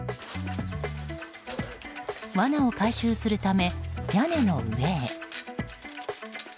わなを回収するため屋根の上へ。